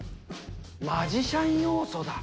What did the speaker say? マジシャン要素だ。